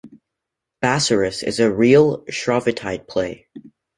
"Bassarus" is a real Shrovetide play.